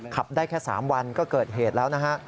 ขับได้แค่๓วันก็เกิดเหตุแล้วนะฮะ